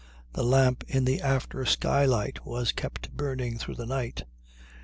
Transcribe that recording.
The lamp in the after skylight was kept burning through the night.